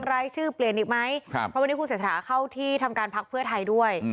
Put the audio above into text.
รายชื่อเปลี่ยนอีกไหมเพราะวันนี้คุณเศรษฐาเข้าที่ทำการพักเพื่อไทยด้วย